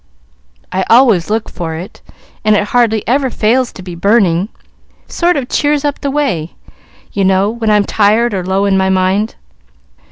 I always look for it, and it hardly ever fails to be burning. Sort of cheers up the way, you know, when I'm tired or low in my mind."